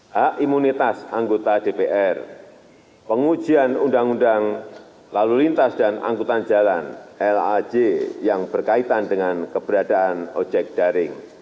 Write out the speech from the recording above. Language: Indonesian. hak imunitas anggota dpr pengujian undang undang lalu lintas dan angkutan jalan laj yang berkaitan dengan keberadaan ojek daring